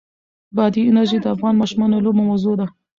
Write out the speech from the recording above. بادي انرژي د افغان ماشومانو د لوبو موضوع ده.